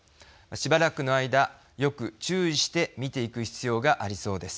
しばらくの間、よく注意して見ていく必要がありそうです。